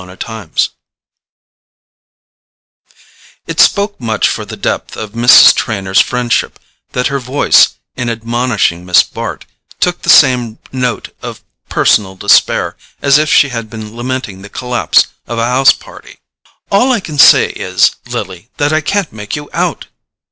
Chapter 7 It spoke much for the depth of Mrs. Trenor's friendship that her voice, in admonishing Miss Bart, took the same note of personal despair as if she had been lamenting the collapse of a house party. "All I can say is, Lily, that I can't make you out!"